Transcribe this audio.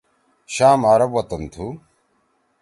شام عرب وطن تُھو۔